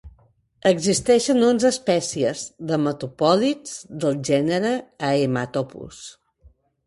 Existeixen onze espècies d'hematopòdids del gènere Haematopus.